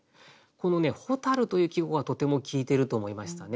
この「蛍」という季語がとても効いてると思いましたね。